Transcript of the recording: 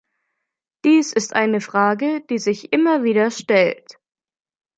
Dies ist eine Frage, die sich immer wieder stellt.